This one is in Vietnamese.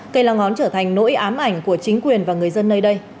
cây la ngón trở thành nỗi ám ảnh của chính quyền và người dân nơi đây